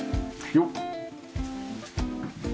よっ。